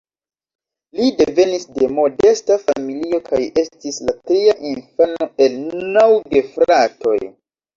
Li devenis de modesta familio kaj estis la tria infano el naŭ gefratoj.